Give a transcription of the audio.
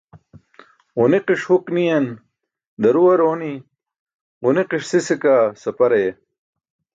Ġuniqiṣ huk niyan daruwar ooni, ġuniqiṣ sise kaa sapar aye.